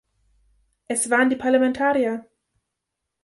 Es waren die Parlamentarier!